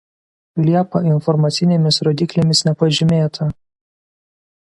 Liepa informacinėmis rodyklėmis nepažymėta.